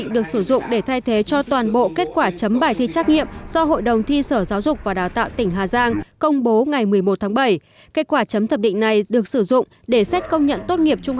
để hà giang rút kinh nghiệm khắc phục trong những năm tới